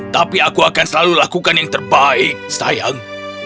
tapi aku akan selalu lakukan yang terbaik sayang